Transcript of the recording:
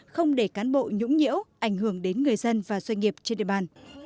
không để cán bộ nhũng nhiễu ảnh hưởng đến người dân và doanh nghiệp trên địa bàn